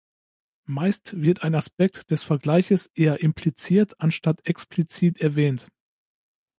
Meist wird ein Aspekt des Vergleiches eher impliziert anstatt explizit erwähnt.